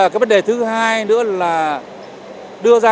cái vấn đề thứ hai nữa là